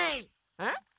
えっ？